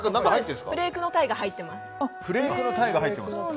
フレークの鯛が入ってます。